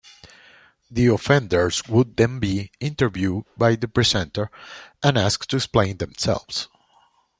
The offenders would then be interviewed by the presenter and asked to explain themselves.